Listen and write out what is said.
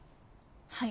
はい。